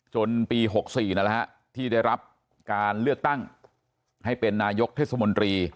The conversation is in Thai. จนปี๖๔ที่ได้รับการเลือกตั้งให้เป็นนายกเทศมนตรี